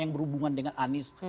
yang berhubungan dengan anies